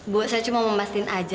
bu saya cuma mau memastikan aja